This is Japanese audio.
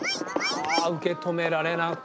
あ受け止められなく。